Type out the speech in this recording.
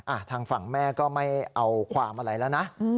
ทางฝั่งแม่ก็ไม่เอาความอะไรแล้วนะ